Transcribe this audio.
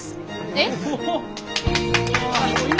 えっ！？